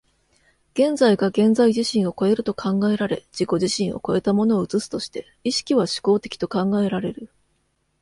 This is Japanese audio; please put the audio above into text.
現在が現在自身を越えると考えられ、自己自身を越えたものを映すとして、意識は志向的と考えられる。